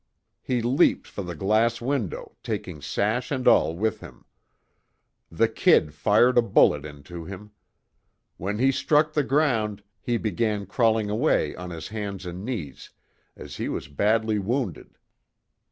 He leaped for the glass window, taking sash and all with him. The "Kid" fired a bullet into him. When he struck the ground he began crawling away on his hands and knees, as he was badly wounded.